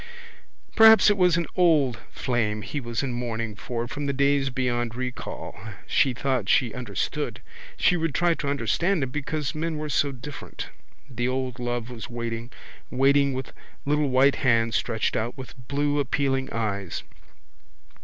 Perhaps it was an old flame he was in mourning for from the days beyond recall. She thought she understood. She would try to understand him because men were so different. The old love was waiting, waiting with little white hands stretched out, with blue appealing eyes.